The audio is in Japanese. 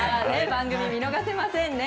番組見逃せませんね。